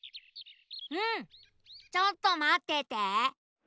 うんちょっとまってて。